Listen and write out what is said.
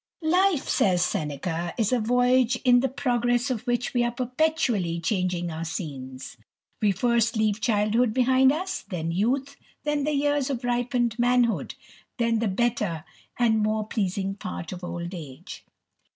" T IFE," says Seneca, "is a voyage, in the progress "^^" of which we are perpetually changing our scenes : "we first leave childhood behind us, then youth, then " the years of ripened manhood, then the better and more " pleasing part of old age."